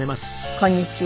こんにちは。